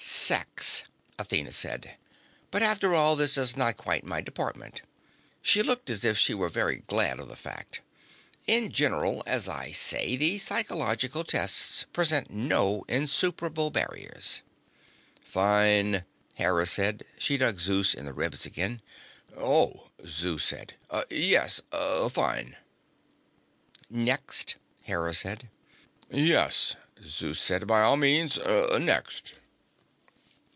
"Sex," Athena said. "But, after all, that is not quite in my department." She looked as if she were very glad of the fact. "In general, as I say, the psychological tests present no insuperable barriers." "Fine," Hera said. She dug Zeus in the ribs again. "Oh," Zeus said. "Yes. Fine." "Next," Hera said. "Yes," Zeus said. "By all means. Next."